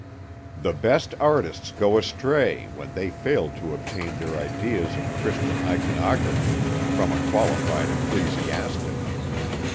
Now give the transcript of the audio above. The best artists go astray when they fail to obtain their ideas of Christian iconography from a qualified ecclesiastic.